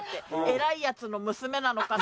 偉いやつの娘なのか？